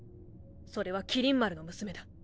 それは麒麟丸の娘だ。